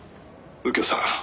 「右京さん。